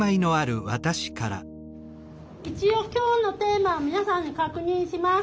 一応今日のテーマを皆さんに確認します。